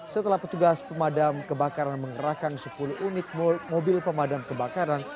setelah petugas pemadam kebakaran mengerahkan sepuluh unit mobil pemadam kebakaran